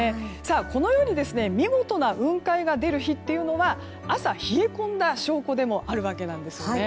このように見事な雲海が出る日は朝、冷え込んだ証拠でもあるわけなんですよね。